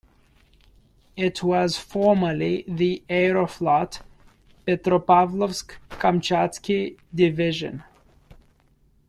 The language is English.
It was formerly the Aeroflot Petropavlovsk-Kamchatski Division.